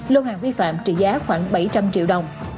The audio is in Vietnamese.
lô hàng vi phạm trị giá khoảng bảy trăm linh triệu đồng